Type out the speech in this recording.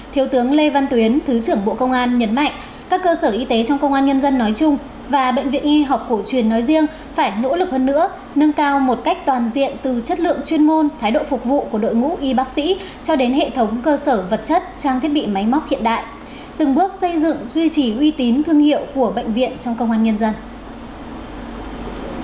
thiếu tướng lê văn tuyến thứ trưởng bộ công an nhấn mạnh các cơ sở y tế trong công an nhân dân nói chung và bệnh viện y học cổ truyền nói riêng phải nỗ lực hơn nữa nâng cao một cách toàn diện từ chất lượng chuyên môn thái độ phục vụ của đội ngũ y bác sĩ cho đến hệ thống cơ sở vật chất trang thiết bị máy móc hiện đại từng bước xây dựng duy trì uy tín thương hiệu của bệnh viện trong công an nhân dân